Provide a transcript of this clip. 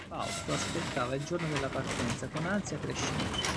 Fausto aspettava il giorno della partenza con ansia crescente.